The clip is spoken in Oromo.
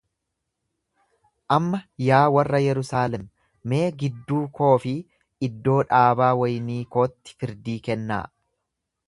Amma yaa warra Yerusaalem mee gidduu koo fi iddoo dhaabaa waynii kootti firdii kennaa.